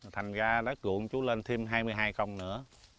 thành ra đất ruộng chú lên thêm hai mươi hai công nữa